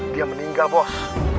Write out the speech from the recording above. dia meninggal bos